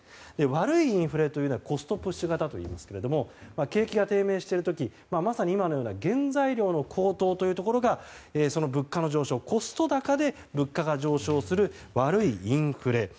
悪いインフレというのはコストプッシュ型といいますが景気が低迷している時まさに今のような原材料の高騰というところが物価の上昇コスト高で物価が上昇する悪いインフレ。